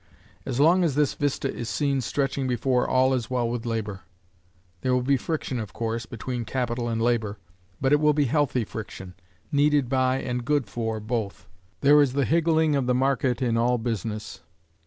As long as this vista is seen stretching before all is well with labor. There will be friction, of course, between capital and labor, but it will be healthy friction, needed by, and good for, both. There is the higgling of the market in all business.